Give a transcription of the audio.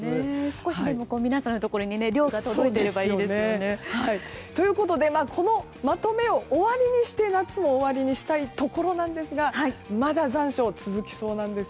少しでも皆さんのところに涼が届いているといいですよね。ということでこのまとめを終わりにして夏も終わりにしたいところなんですがまだ残暑は続きそうなんです。